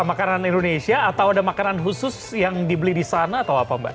makanan indonesia atau ada makanan khusus yang dibeli di sana atau apa mbak